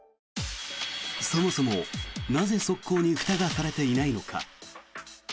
そもそもなぜ側溝にふたがされていないのか。